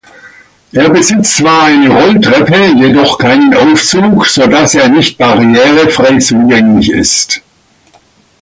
Er besitzt zwar eine Rolltreppe, jedoch keinen Aufzug, sodass er nicht barrierefrei zugänglich ist.